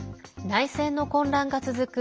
内戦の混乱が続く